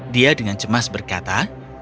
dia dengan cemas berkata